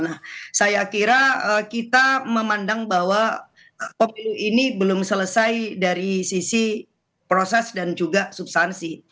nah saya kira kita memandang bahwa pemilu ini belum selesai dari sisi proses dan juga substansi